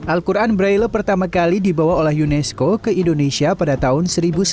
al quran braille pertama kali dibawa oleh unesco ke indonesia pada tahun seribu sembilan ratus sembilan puluh